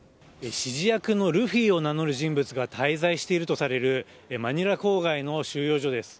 指示役のルフィを名乗る人物が滞在しているとされるマニラ郊外の収容所です。